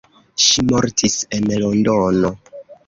Ŝi mortis en Londono.